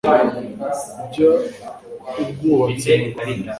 by ubwubatsi mu Rwanda